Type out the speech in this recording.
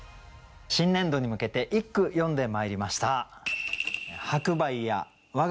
新年度に向けて一句詠んでまいりました。